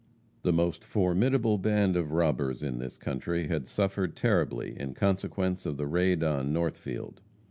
The most formidable band of robbers in this country had suffered terribly in consequence of the raid on Northfield.